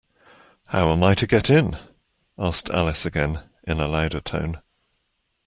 ‘How am I to get in?’ asked Alice again, in a louder tone.